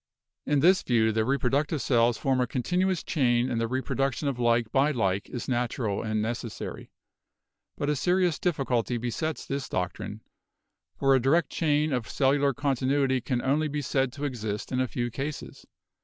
In this view the reproductive cells form a continuous chain and the reproduction of like by like is natural and necessary. But a serious difficulty besets this doctrine, for a direct chain of cellular continuity can only be said to exist in a few cases.